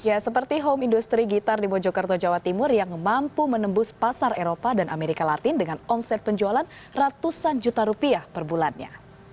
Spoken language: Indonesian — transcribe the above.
ya seperti home industry gitar di mojokerto jawa timur yang mampu menembus pasar eropa dan amerika latin dengan omset penjualan ratusan juta rupiah per bulannya